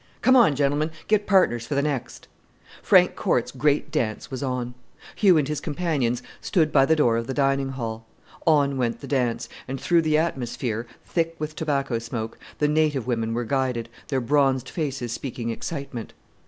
Come on, gentlemen, get partners for the next." Frank Corte's great dance was on. Hugh and his companions stood by the door of the dining hall. On went the dance; and through the atmosphere thick with tobacco smoke the native women were guided, their bronzed faces speaking excitement.